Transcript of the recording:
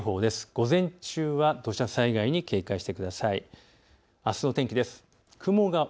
午前中は土砂災害に警戒をしてください。